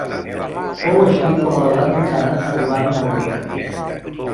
Fou així com a l'edat mitjana arribaren a Europa.